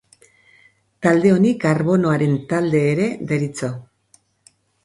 Talde honi karbonoaren talde ere deritzo.